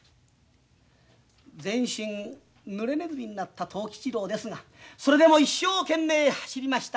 全身ぬれねずみになった藤吉郎ですがそれでも一生懸命走りました。